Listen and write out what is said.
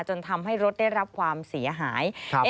จนทำให้รถได้รับความเสียหาย